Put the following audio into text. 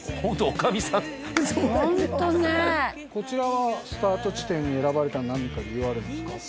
こちらはスタート地点に選ばれたの何か理由あるんですか？